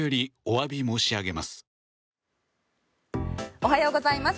おはようございます。